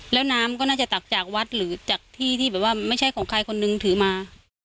แล้วน้ำก็น่าจะตักจากวัดหรือจากที่ที่แบบว่าไม่ใช่ของใครคนนึงถือมา